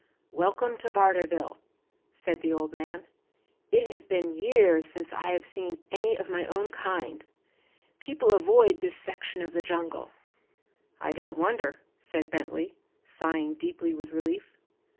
"Welcome to Barterville," said the old man. "It has been years since I have seen any of my own kind. People avoid this section of the jungle." "I don't wonder," said Bentley, sighing deeply with relief.